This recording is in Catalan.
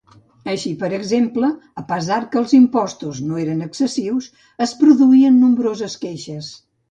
Així, per exemple, a pesar que els impostos no eren excessius, es produïen nombroses queixes.